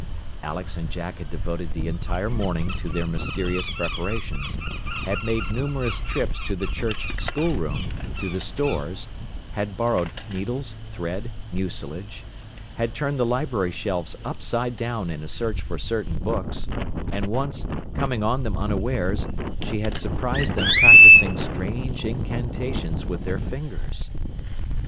Alex and Jack had devoted the entire morning to their mysterious preparations; had made numerous trips to the church school room, to the stores; had borrowed needles, thread, mucilage; had turned the library shelves upside down in a search for certain books; and once, coming on them unawares, she had surprised them practising strange incantations with their fingers.